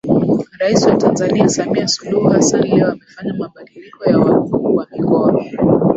Rais wa Tanzania Samia Suluhu Hassan leo amefanya mabadiliko ya Wakuu wa mikoa